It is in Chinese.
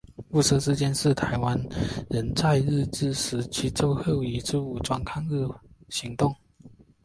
雾社事件是台湾人在日治时代最后一次武装抗日行动。